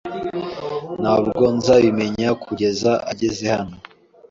Ntabwo nzabimenya kugeza ageze hano.